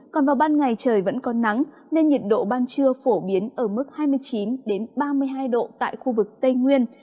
còn vào ban ngày trời vẫn có nắng nên nhiệt độ ban trưa phổ biến ở mức hai mươi chín ba mươi hai độ tại khu vực tây nguyên